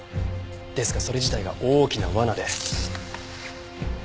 ですがそれ自体が大きな罠で。